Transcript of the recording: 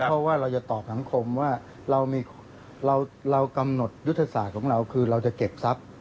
เพราะว่าเราจะตอบสังคมว่าเรากำหนดยุทธศาสตร์ของเราคือเราจะเก็บทรัพย์